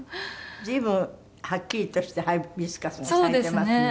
随分はっきりとしたハイビスカスが咲いていますね。